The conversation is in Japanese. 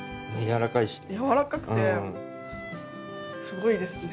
柔らかくてすごいですね。